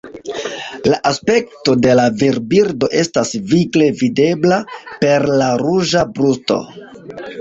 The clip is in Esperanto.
La aspekto de la virbirdo estas vigle videbla, per la ruĝa brusto.